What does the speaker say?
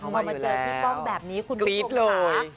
พอมาเจอพี่ป้องแบบนี้คุณผู้ชมค่ะ